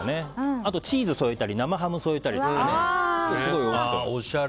あとチーズを添えたり生ハムを添えたりするとすごくおいしいと思います。